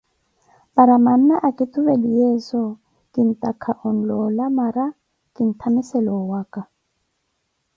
Paara nanna akituveliyezo kintaaka oloola mara kintamissele owaka.